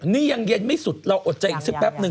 นี่ยังเย็นไม่สุดเราอดใจอีกสักแป๊บนึ